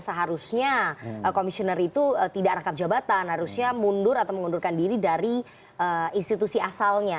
seharusnya komisioner itu tidak rangkap jabatan harusnya mundur atau mengundurkan diri dari institusi asalnya